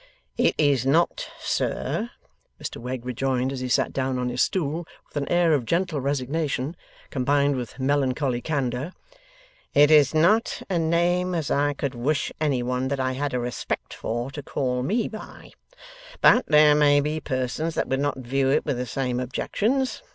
'It is not, sir,' Mr Wegg rejoined, as he sat down on his stool, with an air of gentle resignation, combined with melancholy candour; 'it is not a name as I could wish any one that I had a respect for, to call ME by; but there may be persons that would not view it with the same objections.